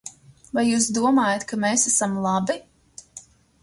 Vai jūs domājat, ka mēs esam labi?